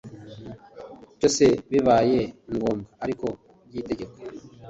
Cyose bibaye ngombwa ariko by itegeko